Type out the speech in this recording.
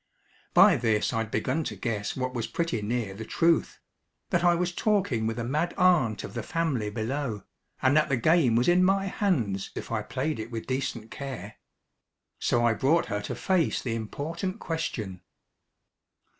By this I'd begun to guess what was pretty near the truth that I was talking with a mad aunt of the family below, and that the game was in my hands if I played it with decent care. So I brought her to face the important question.